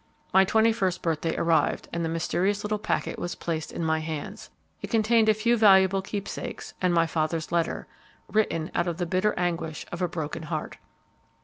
"My twenty first birthday arrived, and the mysterious little packet was placed in my hands. It contained a few valuable keepsakes and my father's letter, written out of the bitter anguish of a broken heart.